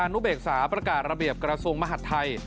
นุเบกษาประกาศระเบียบกระทรวงมหัฐไทย